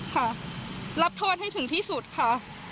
ค่ะรับโทษให้ถึงที่สุดค่ะ